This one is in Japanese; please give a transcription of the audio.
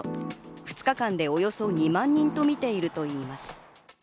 ２日間でおよそ２万人とみているといいます。